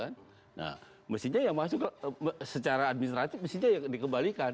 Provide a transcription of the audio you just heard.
nah mestinya ya masuk secara administratif mestinya ya dikembalikan